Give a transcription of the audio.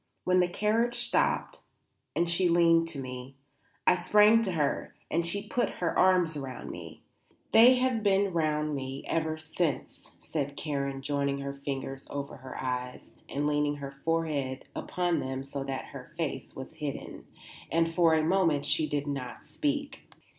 When the carriage stopped and she leaned to me, I sprang to her and she put her arms around me. They have been round me ever since," said Karen, joining her fingers over her eyes and leaning her forehead upon them so that her face was hidden; and for a moment she did not speak.